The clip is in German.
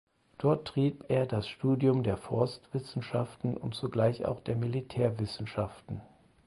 Dort trieb er das Studium der Forstwissenschaft und zugleich auch der Militärwissenschaften.